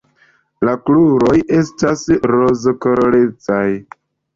La kruroj estas rozkolorecaj.